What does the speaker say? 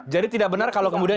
jadi tidak benar kalau kemudian